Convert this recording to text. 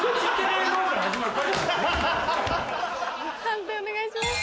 判定お願いします。